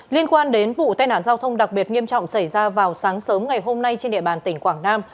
liên quan đến vụ tai nạn giao thông đặc biệt nghiêm trọng xảy ra vào sáng sớm ngày hôm nay trên địa bàn tỉnh quảng nam